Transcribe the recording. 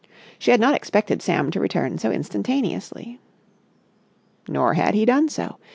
She had not expected Sam to return so instantaneously. Nor had he done so.